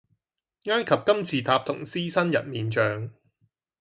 埃及金字塔同獅身人面像